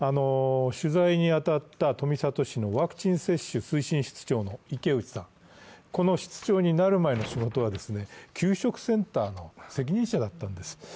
取材に当たった富里市のワクチン接種推進室長の池内さん、室長になる前の仕事は給食センターの責任者だったんです。